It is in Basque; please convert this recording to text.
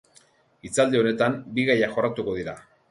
Hitzaldi honetan, bi gaiak jorratuko dira.